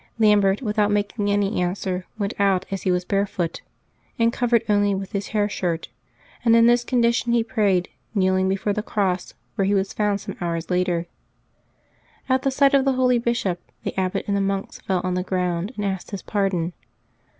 Lam bert, without making any answer, went out as he was, barefoot, and covered only with his hair shirt ; and in this condition he prayed, kneeling before the cross, where he was found some hours after. At the sight of the holy bishop the abbot and the monks fell on the ground and asked his pardon.